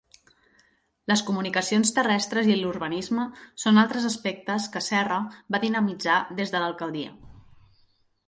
Les comunicacions terrestres i l’urbanisme són altres aspectes que Serra va dinamitzar des de l’alcaldia.